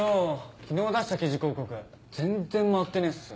昨日出した記事広告全然回ってねえっすよ。